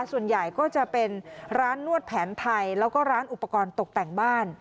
ส่วนใหญ่ก็จะเป็นร้านนวดแผนไทยแล้วก็ร้านอุปกรณ์ตกแต่งบ้าน